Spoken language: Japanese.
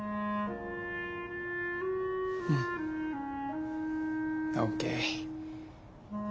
うん。ＯＫ。